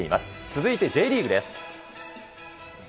続いてＪリーグです。